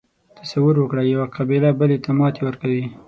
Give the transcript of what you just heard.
تصور وکړئ یوه قبیله بلې ته ماتې ورکوي.